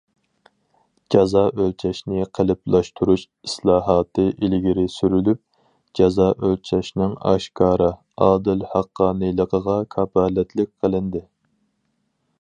جازا ئۆلچەشنى قېلىپلاشتۇرۇش ئىسلاھاتى ئىلگىرى سۈرۈلۈپ، جازا ئۆلچەشنىڭ ئاشكارا، ئادىل، ھەققانىيلىقىغا كاپالەتلىك قىلىندى.